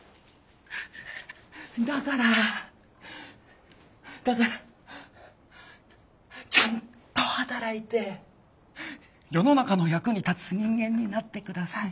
だからだからちゃんと働いて世の中の役に立つ人間になってください。